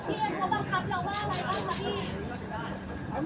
พี่สุนัยคิดถึงลูกไหมครับ